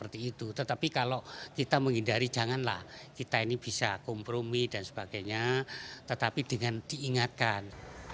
tetapi kalau kita menghindari janganlah kita ini bisa kompromi dan sebagainya tetapi dengan diingatkan